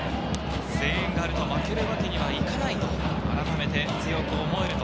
声援があると負けるわけにはいかないと、改めて強く思えると、